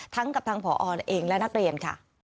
ทั้งกับทางผอเองและนักเรียนค่ะ